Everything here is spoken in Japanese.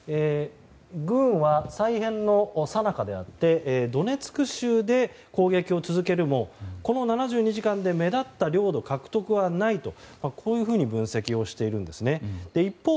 軍は再編のさなかであってドネツク州で攻撃を続けるもこの７２時間で目立った領土獲得はないとこういうふうに分析をしているんですね。